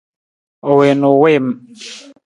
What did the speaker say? U wii na u wiim.